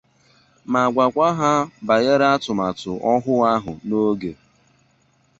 ma gwakwa ha bànyere atụmatụ ọhụụ ahụ n'oge